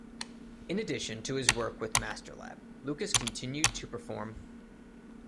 In addition to his work with Masterlab, Lucas continued to perform.